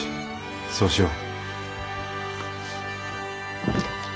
そうしよう。